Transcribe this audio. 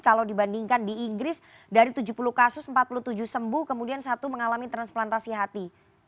kalau dibandingkan di inggris dari tujuh puluh kasus empat puluh tujuh sembuh kemudian satu mengalami transplantasi hati